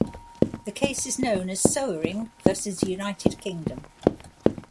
The case is known as "Soering versus United Kingdom".